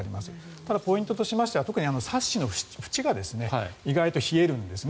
ただ、ポイントとしてはサッシの縁が意外と冷えるんですね。